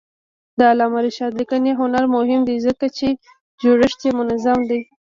د علامه رشاد لیکنی هنر مهم دی ځکه چې جوړښت یې منظم دی.